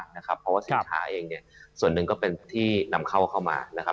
เพราะว่าสินค้าเองเนี่ยส่วนหนึ่งก็เป็นที่นำเข้าเข้ามานะครับ